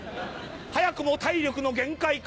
早くも体力の限界か？